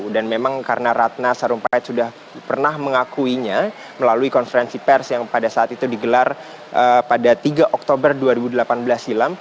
dan memang karena ratna sarompait sudah pernah mengakuinya melalui konferensi pers yang pada saat itu digelar pada tiga oktober dua ribu delapan belas silam